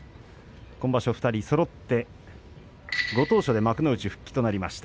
今場所２人そろってご当所、幕内復帰となりました。